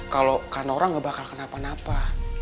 kalau karena orang gak bakal kenapa napa